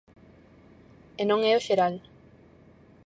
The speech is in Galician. E non é o xeral.